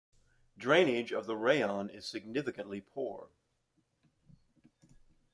Drainage of the rayon is significantly poor.